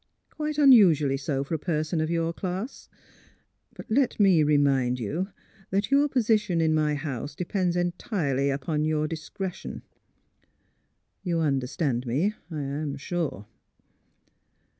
'' Quite unusually so for a person of your class. But let me remind you that your position in my house depends entirely upon your discretion. You understand me, I am sure."